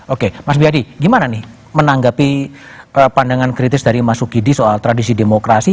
oke mas biadi gimana nih menanggapi pandangan kritis dari mas ukidi soal tradisi demokrasi